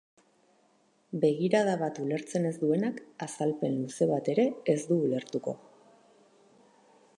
Begirada bat ulertzen ez duenak azalpen luze bat ere ez du ulertuko.